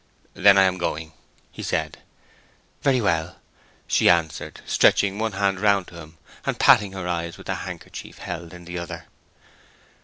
"Then I am going," he said. "Very well," she answered, stretching one hand round to him, and patting her eyes with a handkerchief held in the other.